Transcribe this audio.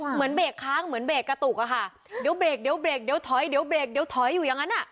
เหมือนเบรกค้างเหมือนเบรกกระตุกอะค่ะเดี๋ยวเบรกเดี๋ยวเบรกเดี๋ยวถอยเดี๋ยวเบรกเดี๋ยวถอยอยู่อย่างนั้นอ่ะ